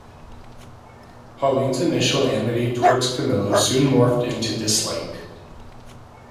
Pauline's initial amity toward Camillo soon morphed into dislike.